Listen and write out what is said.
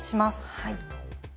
はい。